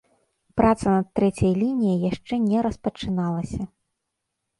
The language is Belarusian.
Праца над трэцяй лініяй яшчэ не распачыналася.